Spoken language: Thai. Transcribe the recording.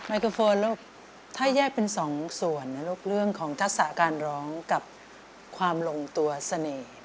ไอโครโฟนลูกถ้าแยกเป็นสองส่วนนะลูกเรื่องของทักษะการร้องกับความลงตัวเสน่ห์